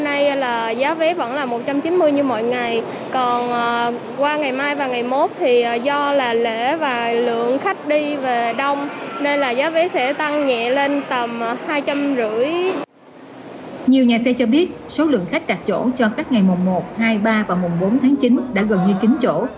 nhiều nhà xe cho biết số lượng khách đặt chỗ cho khách ngày mùa một hai ba và mùa bốn tháng chín đã gần như chính chỗ